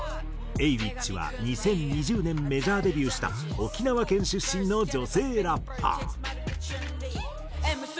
Ａｗｉｃｈは２０２０年メジャーデビューした沖縄県出身の女性ラッパー。